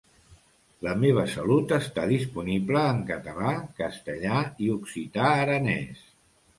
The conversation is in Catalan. La Meva Salut està disponible en català, castellà i occità-aranès.